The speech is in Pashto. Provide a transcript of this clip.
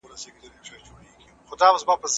د ارغنداب سیند پرغاړه کرنیز پارکونه جوړ سوي دي.